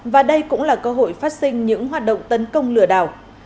và đây cũng là cơ hội phát sinh những hoạt động tấn công lừa đảo